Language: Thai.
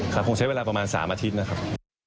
คงใช้เวลาประมาณ๓อาทิตย์นะครับ